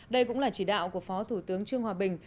đây cũng là chỉ đạo của phó thủ tướng trương hòa bình